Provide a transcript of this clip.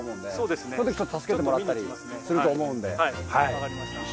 分かりました。